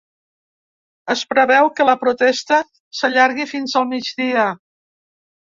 Es preveu que la protesta s’allargui fins al migdia.